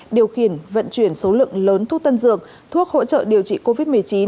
điều khiển vận chuyển số lượng lớn thuốc tân dược thuốc hỗ trợ điều trị covid một mươi chín